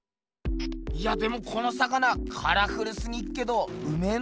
いやでもこの魚カラフルすぎっけどうめえのか？